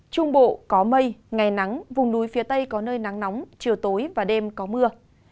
trung bộ có mây ngày nắng vùng núi phía tây có nơi nắng nóng chiều tối và đêm có mưa